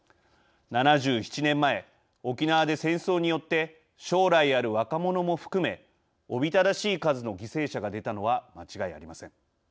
７７年前、沖縄で戦争によって将来ある若者も含めおびただしい数の犠牲者が出たのは間違いありません。